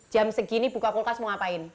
jam segini buka kulkas mau ngapain